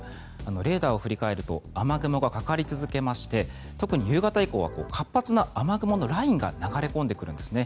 レーダーを振り返ると雨雲がかかり続けまして特に夕方以降は活発な雨雲のラインが流れ込んでくるんですね。